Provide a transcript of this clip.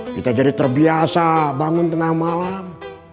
kita jadi terbiasa bangun tengah malam